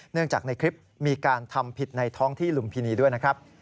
จากในคลิปมีการทำผิดในท้องที่ลุมพินีด้วยนะครับ